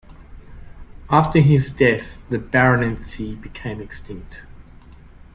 After his death the baronetcy became extinct.